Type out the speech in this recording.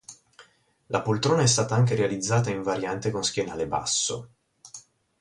La poltrona è stata anche realizzata in variante con schienale basso.